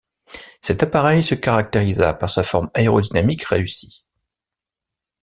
Cet appareil se caractérisa par sa forme aérodynamique réussie.